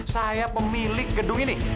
saya pemilik gedung ini